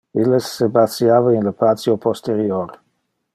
Illes se basiava in le patio posterior.